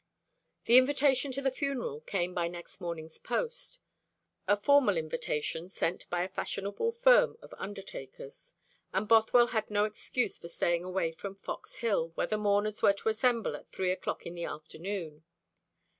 The invitation to the funeral came by next morning's post a formal invitation sent by a fashionable firm of undertakers and Bothwell had no excuse for staying away from Fox Hill, where the mourners were to assemble at three o'clock in the afternoon.